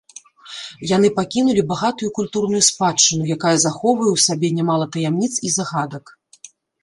Яны пакінулі багатую культурную спадчыну, якая захоўвае ў сабе нямала таямніц і загадак.